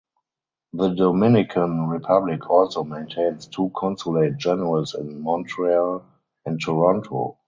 The Dominican Republic also maintains two consulate generals in Montreal and Toronto.